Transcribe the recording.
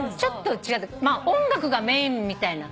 まあ音楽がメインみたいな。